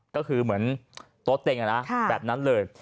โต๊ะเต็งอะนะแบบนั้นเลย